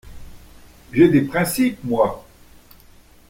J’ai des principes, moi !